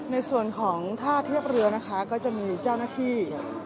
ในส่วนของท่าเทียบเรือนะคะก็จะมีเจ้าหน้าที่